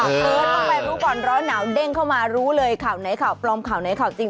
ต้องไปรู้ก่อนร้อนหนาวเด้งเข้ามารู้เลยข่าวไหนข่าวปลอมข่าวไหนข่าวจริง